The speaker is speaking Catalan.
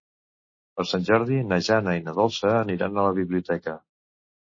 Per Sant Jordi na Jana i na Dolça aniran a la biblioteca.